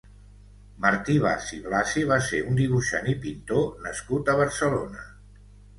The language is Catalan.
Martí Bas i Blasi va ser un dibuixant i pintor nascut a Barcelona.